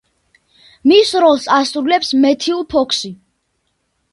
მის როლს ასრულებს მეთიუ ფოქსი.